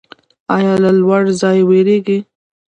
ایا له لوړ ځای ویریږئ؟